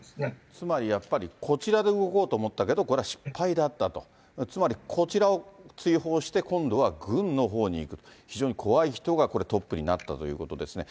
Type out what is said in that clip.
つまりやっぱり、こちらで動こうと思ったけど、これは失敗だったと、つまり、こちらを追放して、今度は軍のほうに行く、非常に怖い人がトップになったということですね。